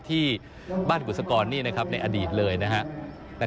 แล้วก็ท่านก็ยังบวดเนนที่บ้านบุษกรในอดีตเลยนะครับ